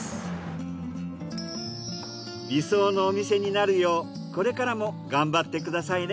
理想のお店になるようこれからも頑張ってくださいね。